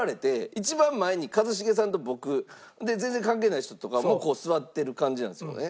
一番前に一茂さんと僕。で全然関係ない人とかも座ってる感じなんですよね。